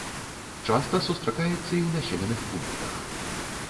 Часта сустракаецца і ў населеных пунктах.